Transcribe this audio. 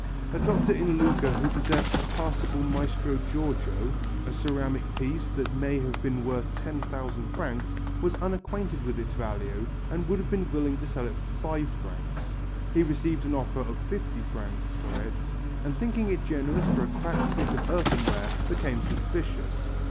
A doctor in Lucca who possessed a passable Maestro Giorgio, a ceramic piece that may have been worth ten thousand francs, was unacquainted with its value and would have been willing to sell it for five francs. He received an offer of fifty francs for it, and thinking it generous for a cracked bit of earthenware, became suspicious.